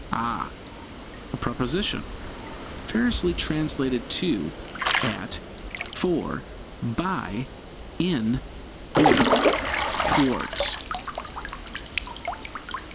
A preposition variously translated to, at, for, by, in, with, towards.